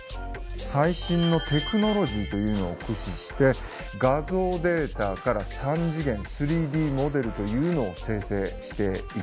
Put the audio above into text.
最新のテクノロジーというのを駆使して画像データから３次元３Ｄモデルというのを生成していきました。